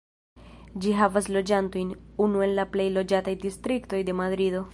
Ĝi havas loĝantojn, unu el la plej loĝataj distriktoj de Madrido.